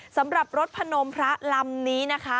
สำหรับรถพนมพระลำนี้นะคะ